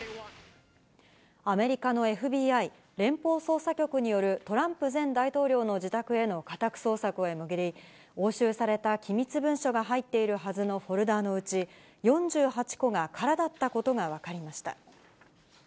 アメリカのＦＢＩ・連邦捜査局によるトランプ前大統領の自宅への家宅捜索を巡り、押収された機密文書が入っているはずのフォルダーのうち、４８個が空だったことが分かりました。